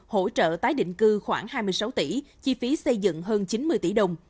hỗ trợ tái định cư khoảng hai mươi sáu tỷ chi phí xây dựng hơn chín mươi tỷ đồng